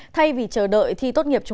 thay vì chờ đợi